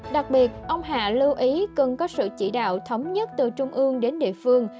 đặc biệt ông hạ lưu ý cần có sự chỉ đạo thống nhất từ trung ương đến địa phương